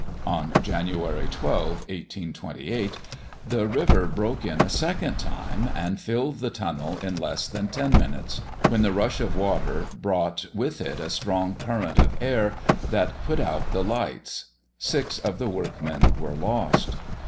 On Jan. 12, 1828, the river broke in a second time, and filled the Tunnel in less than ten minutes; when the rush of water brought with it a strong current of air that put out the lights; six of the workmen were lost.